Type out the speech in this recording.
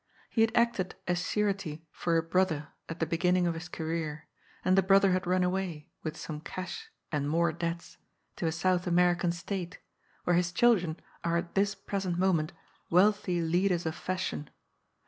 He had acted as surety for a brother at the beginning of his career, and the brother had run away, with some cash and more debts, to a South American State, where his chil dren are at this present moment wealthy leaders of fashion.